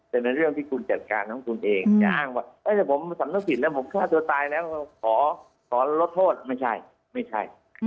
แต่ในเรื่องที่คุณจัดการของคุณเองจะอ้างว่าถ้าผมสำนึกผิดแล้วผมฆ่าตัวตายแล้วขอลดโทษไม่ใช่ไม่ใช่